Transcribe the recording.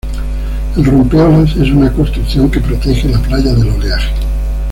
El rompeolas es una construcción que protege la playa del oleaje.